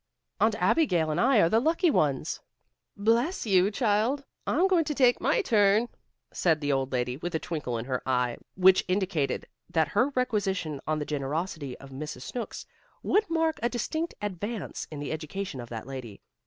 Aunt Abigail and I are the lucky ones." "Bless you, child, I'm going to take my turn," said the old lady, with a twinkle in her eye which indicated that her requisition on the generosity of Mrs. Snooks would mark a distinct advance in the education of that lady.